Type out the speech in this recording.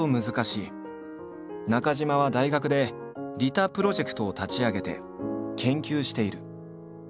中島は大学で「利他プロジェクト」を立ち上げて研究している。